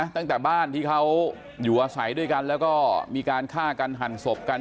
ตั้งแต่บ้านที่เขาอยู่อาศัยด้วยกันแล้วก็มีการฆ่ากันหั่นศพกัน